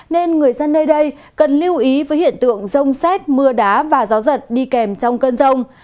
nên người dân nơi đây cần lưu ý với hiện tượng rông xét mưa đá và gió giật đi kèm trong cơn rông